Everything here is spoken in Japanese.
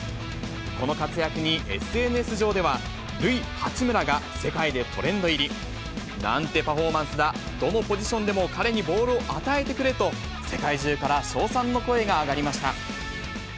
この活躍にＳＮＳ上では、ルイ・ハチムラが世界でトレンド入り。なんてパフォーマンスだ、どのポジションでも彼にボールを与えてくれと、世界中から称賛の声が上がりました。